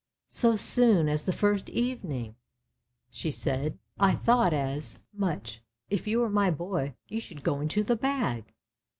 " So soon as the first evening! " she said. " I thought as much; if you were my boy, you should go into the bag!